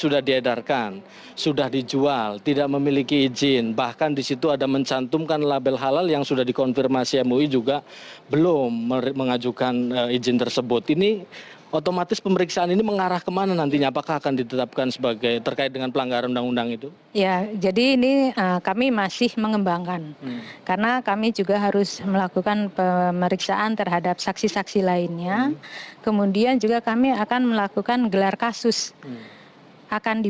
badan pengawasan obat dan makanan bepom mengeluarkan rilis hasil penggerbekan tempat produksi bihun berdesain bikini